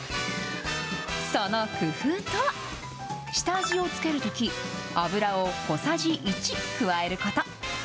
その工夫とは、下味をつけるとき、油を小さじ１加えること。